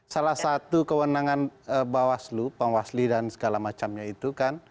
salah satu kewenangan bawaslu bawaslu dan segala macamnya itu kan